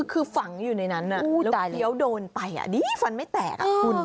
คือฝังอยู่ในนั้นแล้วเคี้ยวโดนไปดีฟันไม่แตกคุณ